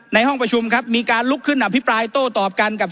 ห้องประชุมครับมีการลุกขึ้นอภิปรายโต้ตอบกันกับ